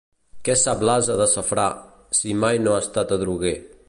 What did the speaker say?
Què sap l'ase de safrà, si mai no ha estat adroguer.